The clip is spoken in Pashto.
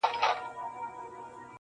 • بس هغه ده چي مي مور کیسه کوله -